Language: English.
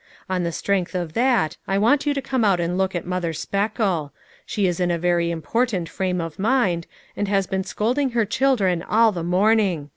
On the strength of that I want you to come out and look at Mother Speckle ; she is in a very important frame of mind, and has been scolding her children all the morning.